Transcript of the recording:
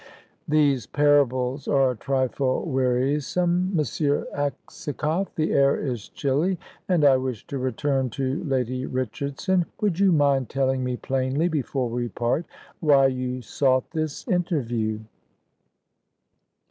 "These parables are a trifle wearisome, M. Aksakoff. The air is chilly, and I wish to return to Lady Richardson. Would you mind telling me plainly, before we part, why you sought this interview?"